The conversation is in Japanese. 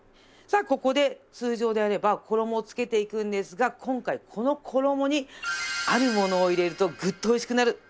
さあここで通常であれば衣をつけていくんですが今回この衣にあるものを入れるとグッとおいしくなる。